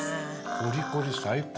コリコリ最高！